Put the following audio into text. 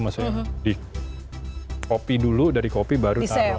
maksudnya di copy dulu dari copy baru taruh